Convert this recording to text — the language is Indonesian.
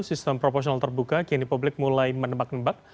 sistem proporsional terbuka kini publik mulai menebak nebak